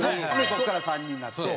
そこから３人になって。